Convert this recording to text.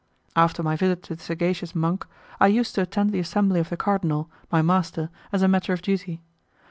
After my visit to the sagacious monk, I used to attend the assembly of the cardinal, my master, as a matter of duty.